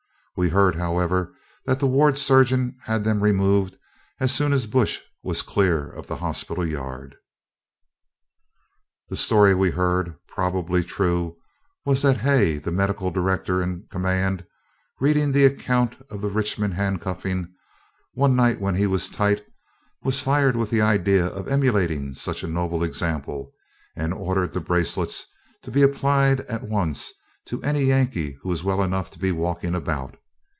We heard, however, that the ward surgeon had them removed as soon as Bush was clear of the hospital yard. The story we heard, probably true, was that Hay, the medical director in command, reading the account of the Richmond handcuffing, one night when he was tight, was fired with the idea of emulating such a noble example, and ordered the bracelets to be applied at once to any Yankee who was well enough to be walking about.